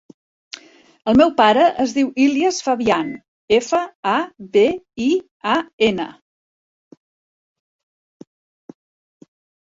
El meu pare es diu Ilyas Fabian: efa, a, be, i, a, ena.